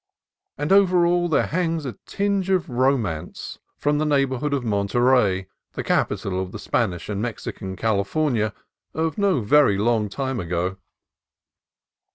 And over all there hangs a tinge of ro mance from the neighborhood of Monterey, the capital of the Spanish and Mexican California of no very long time ago.